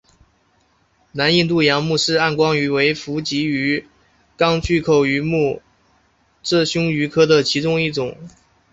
南印度洋穆氏暗光鱼为辐鳍鱼纲巨口鱼目褶胸鱼科的其中一种。